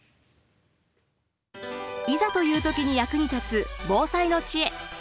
いざという時に役に立つ防災の知恵。